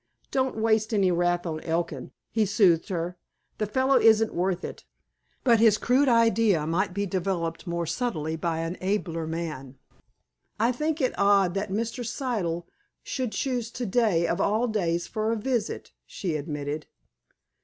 "Don't waste any wrath on Elkin," he soothed her. "The fellow isn't worth it. But his crude idea might be developed more subtly by an abler man." "I think it odd that Mr. Siddle should choose to day, of all days, for a visit," she admitted.